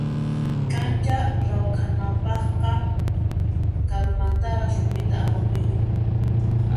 Kancha rawkhanapaqqa karumantaraq rumita apamuyku.